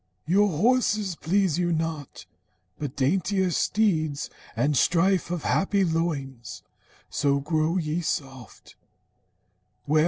Your horses please you not, but daintier steeds, And strife of happy loins. So grow ye soft.